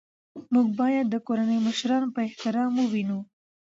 موږ باید د کورنۍ مشران په احترام ووینو